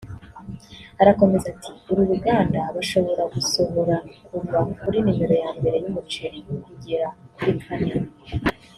Arakomeza ati”uru ruganda bashobora gusohora kuva kuri nimero ya mbere y’umuceri kugera kuri kane